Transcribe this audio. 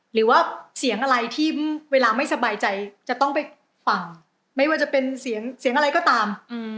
หรือว่าเสียงอะไรที่เวลาไม่สบายใจจะต้องไปฟังไม่ว่าจะเป็นเสียงเสียงอะไรก็ตาม